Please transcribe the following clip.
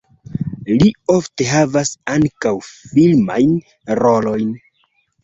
Li ofte havas ankaŭ filmajn rolojn.